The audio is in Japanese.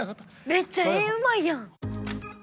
めっちゃ絵うまいやん！